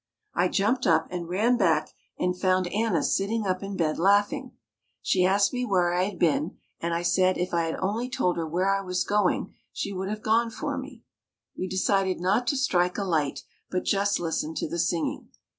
I jumped up and ran back and found Anna sitting up in bed, laughing. She asked me where I had been and said if I had only told her where I was going she would have gone for me. We decided not to strike a light, but just listen to the singing.